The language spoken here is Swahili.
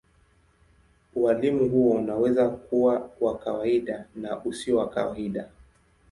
Ualimu huo unaweza kuwa wa kawaida na usio wa kawaida.